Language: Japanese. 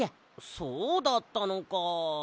そうだったのか。